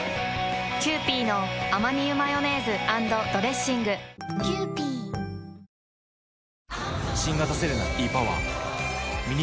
キユーピーのアマニ油マヨネーズ＆ドレッシングボクの趣味は料理